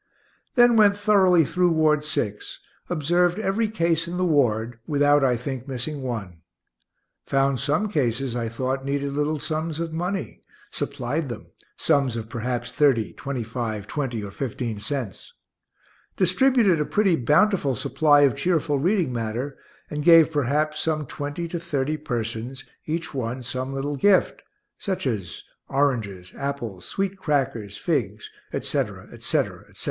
Then went thoroughly through Ward 6; observed every case in the ward (without, I think, missing one); found some cases I thought needed little sums of money; supplied them (sums of perhaps thirty, twenty five, twenty, or fifteen cents); distributed a pretty bountiful supply of cheerful reading matter, and gave perhaps some twenty to thirty persons, each one some little gift, such as oranges, apples, sweet crackers, figs, etc., etc., etc.